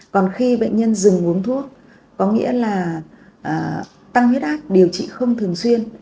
còn khi bệnh nhân dừng uống thuốc có nghĩa là tăng huyết áp điều trị không thường xuyên